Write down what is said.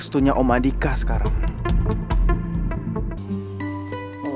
saya lagitv dengan terkenal